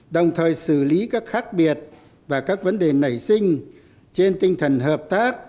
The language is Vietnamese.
đồng thời xử lý các khác biệt và các vấn đề nảy sinh trên tinh thần hợp tác